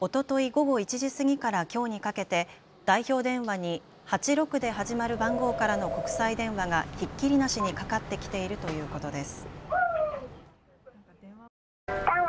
午後１時過ぎからきょうにかけて代表電話に８６で始まる番号からの国際電話がひっきりなしにかかってきているということです。